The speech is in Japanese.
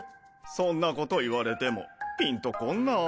そんなこと言われてもピンとこんな。